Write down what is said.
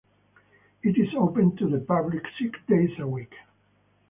It is open to the public six days a week.